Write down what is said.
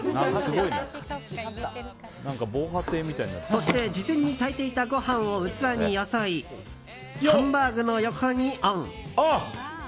そして事前に炊いていたご飯を器によそいハンバーグの横にオン。